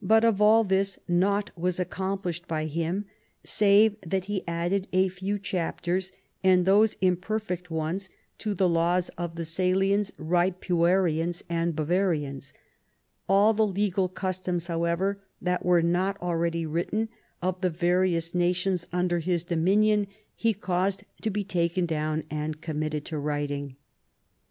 But of all this naught was accomplished by him, save that he added a few chapters, and those imperfect ones, to the laws [of the Salians, * After the law of his own country. RESULTS. 319 Ripuarians, and Bavarians]. All the legal customs, however, that were not already written, of the various nations under his dominion, he caused to be taken down and committed to writing."